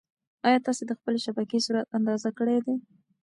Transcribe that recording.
ایا تاسي د خپلې شبکې سرعت اندازه کړی دی؟